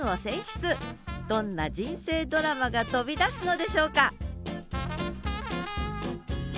どんな人生ドラマが飛び出すのでしょうか